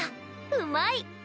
うまい！